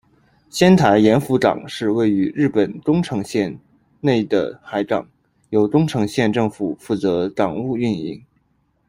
仙台盐釜港是位于日本宫城县、内的海港，由宫城县政府负责港务营运。